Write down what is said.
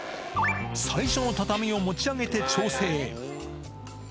最初の畳を持ち上げて調整。